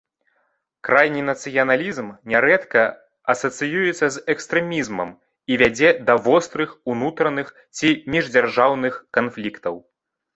Крайні нацыяналізм нярэдка асацыюецца з экстрэмізмам і вядзе да вострых унутраных ці міждзяржаўных канфліктаў.